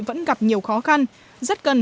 vẫn gặp nhiều khó khăn rất cần